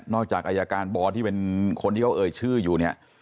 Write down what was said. จากอายการบอที่เป็นคนที่เขาเอ่ยชื่ออยู่เนี่ย